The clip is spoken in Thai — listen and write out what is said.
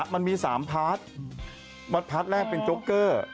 มันมี๓พาร์ทพาร์ทแรกเป็นโจ๊กเกอร์